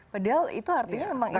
padahal itu artinya memang insin kita